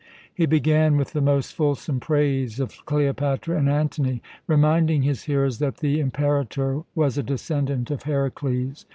He began with the most fulsome praise of Cleopatra and Antony, reminding his hearers that the Imperator was a descendant of Herakles.